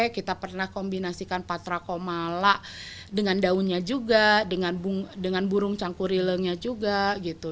kita pernah kombinasikan patra komala dengan daunnya juga dengan burung cangkurilengnya juga gitu